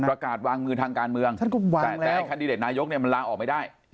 ประกาศวางมือทางการเมืองแต่แคนดิเดตนายกเนี่ยมันลาออกไม่ได้